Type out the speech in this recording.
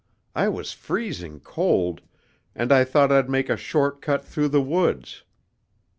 I was freezing cold, and I thought I'd make a short cut through the woods.